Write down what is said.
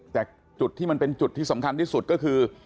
แต่จุดที่มันเป็นจุดที่สำคัญที่สุดก็คือ